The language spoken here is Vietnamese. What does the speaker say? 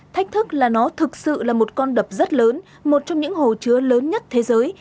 thách thức là nó thực sự là một con đập rất lớn một trong những hồ chứa lớn nhất thế giới